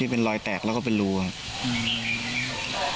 ที่เป็นรอยแตกแล้วก็เป็นรูอ่ะ